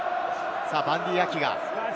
バンディー・アキ。